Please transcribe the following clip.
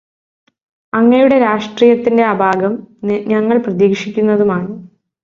അങ്ങയുടെ രാഷ്ട്രീയത്തിന്റെ അപാകം ഞങ്ങൾ പ്രതീക്ഷിക്കുന്നതുമാണ്.